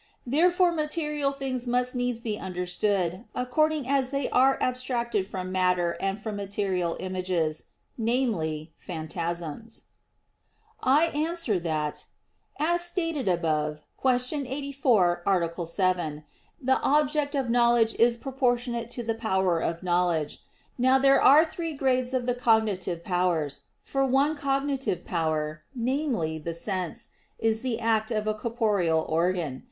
Therefore material things must needs be understood according as they are abstracted from matter and from material images, namely, phantasms. I answer that, As stated above (Q. 84, A. 7), the object of knowledge is proportionate to the power of knowledge. Now there are three grades of the cognitive powers. For one cognitive power, namely, the sense, is the act of a corporeal organ.